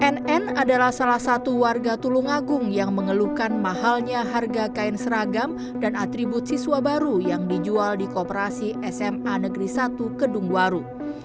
nn adalah salah satu warga tulungagung yang mengeluhkan mahalnya harga kain seragam dan atribut siswa baru yang dijual di koperasi sma negeri satu kedungwaru